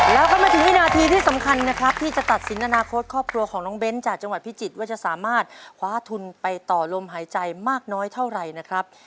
แล้วก็มาถึงวินาทีที่สำคัญนะครับที่จะตัดสินอนาคตครอบครัวของน้องเบ้นจากจังหวัดพิจิตรว่าจะสามารถคว้าทุนไปต่อลมหายใจมากน้อยเท่าไหร่นะครับ